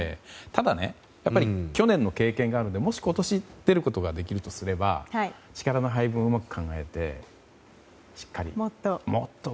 ただね、去年の経験があるのでもし、今年出ることができるとすれば力の配分をうまく考えてしっかりと。